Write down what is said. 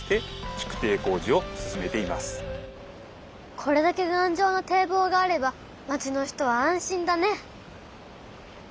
これだけがんじょうな堤防があれば町の人は安心だね！